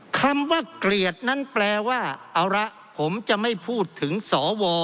คำว่าเกลียดนั้นแปลว่าเอาละผมจะไม่พูดถึงสว